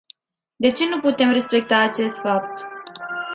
De ce nu putem respecta acest fapt?